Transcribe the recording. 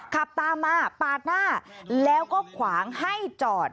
ขับตามมาปาดหน้าแล้วก็ขวางให้จอด